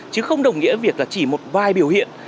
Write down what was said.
chứ không đồng nghĩa việc là chỉ một vài biểu hiện